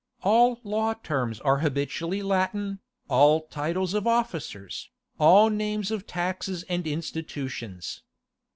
All law terms are habitually Latin, all titles of officers, all names of taxes and institutions.